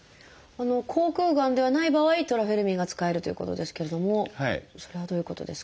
口腔がんではない場合トラフェルミンが使えるということですけれどもそれはどういうことですか？